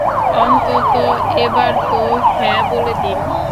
অন্তত এবার তো হ্যাঁঁ বলে দিন।